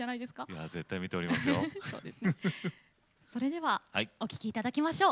それではお聴きいただきましょう。